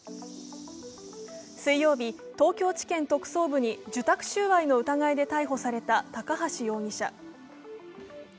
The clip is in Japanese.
水曜日、東京地裁特捜部に受託収賄の疑いで逮捕された高橋容疑者。